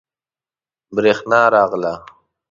بریښنا راغله